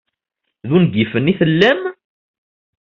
D ungifen i tellam?